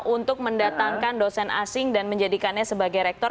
untuk mendatangkan dosen asing dan menjadikannya sebagai rektor